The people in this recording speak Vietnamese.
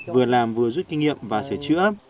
vừa làm vừa rút kinh nghiệm và sửa chữa